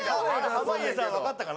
濱家さんわかったかな？